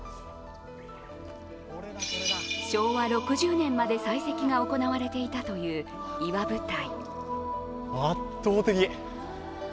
昭和６０年まで採石が行われていたという岩舞台。